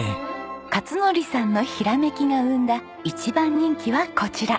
勝則さんのひらめきが生んだ一番人気はこちら。